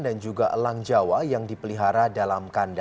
dan juga elang jawa yang dipelihara